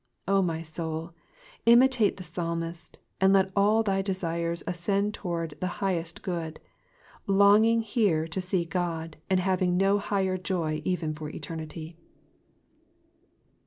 Oh, my soul, imitate the psalmist, and let all thy desires ascend towards the highest good ; longing here to see God, and having no higher joy even for eternity.